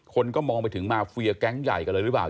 คนก็มองไปถึงมาเฟียแก๊งใหญ่กันเลยหรือเปล่า